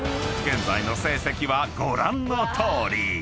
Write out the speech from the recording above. ［現在の成績はご覧のとおり］